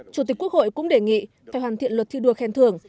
chủ tịch quốc hội cũng đề nghị phải hoàn thiện luật thi đua khen thưởng